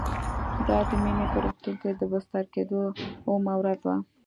دا د مينې په روغتون کې د بستر کېدو اوومه ورځ وه